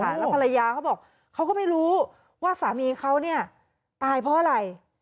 แล้วภรรยาเขาบอกเขาก็ไม่รู้ว่าสามีเขาเนี่ยตายเพราะอะไร